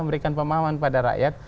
memberikan pemahaman pada rakyat